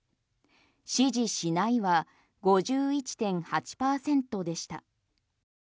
支持しないは５１．８％でした。